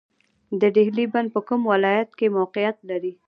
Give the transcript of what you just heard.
د دهلې بند په کوم ولایت کې موقعیت لري؟